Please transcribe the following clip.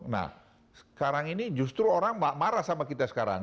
nah sekarang ini justru orang marah sama kita sekarang